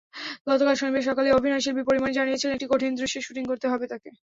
গতকাল শনিবার সকালেই অভিনয়শিল্পী পরীমনি জানিয়েছিলেন, একটি কঠিন দৃশ্যে শুটিং করতে হবে তাঁকে।